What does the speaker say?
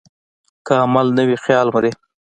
که عمل نه وي، خیال مري.